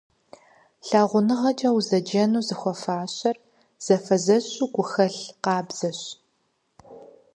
ЛъагъуныгъэкӀэ узэджэну зыхуэфащэр зэфэзэщу гухэлъ къабзэщ.